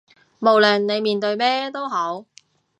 無論你面對咩都好